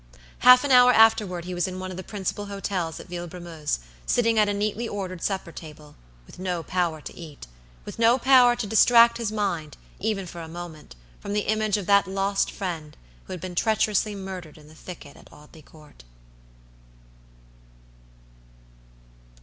Half an hour afterward he was in one of the principal hotels at Villebrumeuse, sitting at a neatly ordered supper table, with no power to eat; with no power to distract his mind, even for a moment, from the image of that lost friend who had been treacherously murdered in the thicket at Audley Court.